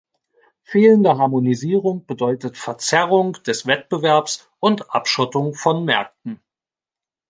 Fehlende Harmonisierung bedeutet Verzerrung des Wettbewerbs und Abschottung von Märkten.